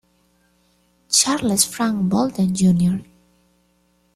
Charles Frank Bolden, Jr.